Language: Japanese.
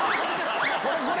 これこれ！